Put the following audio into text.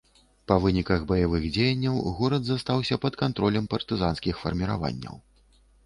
Па выніках баявых дзеянняў горад застаўся пад кантролем партызанскіх фарміраванняў.